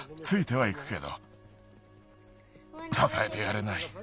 ついてはいくけどささえてやれない。